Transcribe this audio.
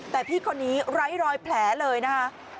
แต่พี่คนนี้ไร้รอยแผลเลยนะคะ